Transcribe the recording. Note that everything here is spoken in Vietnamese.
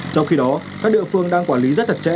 trong khi đó các địa phương đang quản lý rất thật trễ